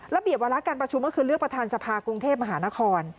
วาระการประชุมก็คือเลือกประธานสภากรุงเทพมหานคร